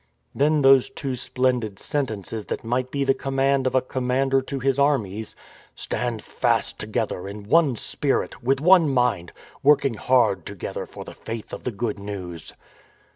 Then those two splendid sentences that might be the command of a commander to his armies :" Stand fast together in one spirit, with one mind, working hard together for the Faith of the Good News."